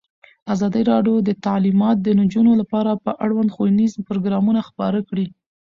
ازادي راډیو د تعلیمات د نجونو لپاره په اړه ښوونیز پروګرامونه خپاره کړي.